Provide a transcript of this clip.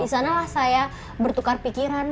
di sanalah saya bertukar pikiran